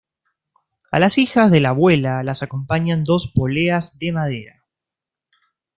A las hijas de la abuela las acompañan dos poleas de madera.